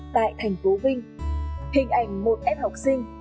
tại thành phố vinh hình ảnh một em học sinh